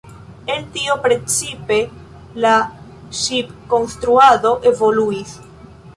El tio precipe la ŝipkonstruado evoluis.